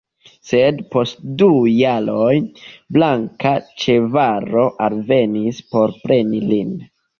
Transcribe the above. Sed, post du jaroj, blanka ĉevalo alvenis por preni lin.